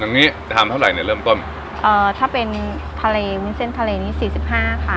อย่างนี้จะทำเท่าไหรเนี้ยเริ่มต้นเอ่อถ้าเป็นทะเลวุ้นเส้นทะเลนี้สี่สิบห้าค่ะ